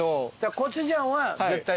コチュジャンは絶対。